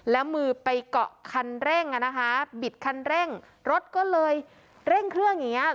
แล้วมือไปเกาะคันเร่งอ่ะนะคะบิดคันเร่งรถก็เลยเร่งเครื่องอย่างเงี้